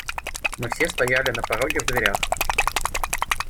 Мы все стояли на пороге в дверях.